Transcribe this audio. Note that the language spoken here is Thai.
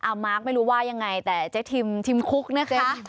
มาร์คไม่รู้ว่ายังไงแต่เจ๊ทิมทิมคุกนะคะ